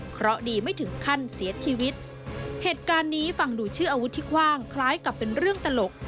เพราะดีไม่ถึงขั้นเสียชีวิตเหตุการณ์นี้ฟังดูชื่ออาวุธที่กว้างคล้ายกับเป็นเรื่องตลก